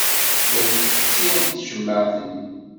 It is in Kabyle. La tfessi tcemmaɛt-nni.